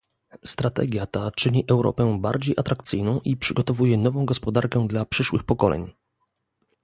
Strategia ta czyni Europę bardziej atrakcyjną i przygotowuje nową gospodarkę dla przyszłych pokoleń